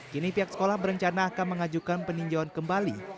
kini pihak sekolah berencana akan mengajukan peninjauan kembali